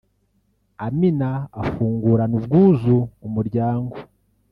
Amina afungurana ubwuzu umuryango